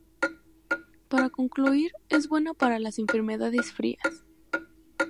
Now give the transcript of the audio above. Para concluir, es buena para las enfermedades frías".